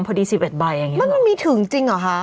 พอดี๑๑ใบอย่างงี้หรอมันมันมีถึงจริงหรอฮะ